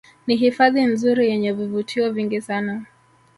Ni hifadhi nzuri yenye vivutio vingi sana